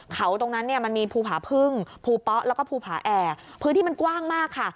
เขาตรงนั้นเนี่ยมันมีภูผาพึ่งภูป๊ะแล้วก็ภูผาแอกพื้นที่มันกว้างมากค่ะ